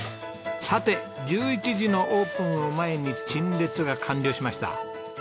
さて１１時のオープンを前に陳列が完了しました。